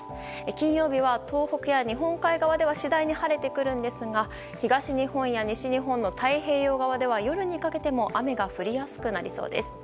金曜日は東北や日本海側では次第に晴れてくるんですが東日本や西日本の太平洋側では夜にかけても雨が降りやすくなりそうです。